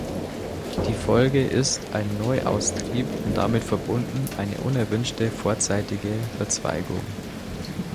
Die Folge ist ein Neuaustrieb und damit verbunden eine unerwünschte vorzeitige Verzweigung.